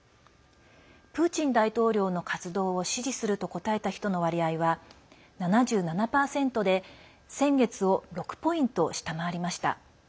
プーチン大統領の活動を支持すると答えた人の割合は７７％で先月を６ポイント下回りました。